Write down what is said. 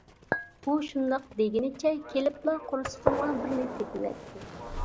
ئۇ شۇنداق دېگىنىچە كېلىپلا قورسىقىمغا بىرنى تېپىۋەتتى.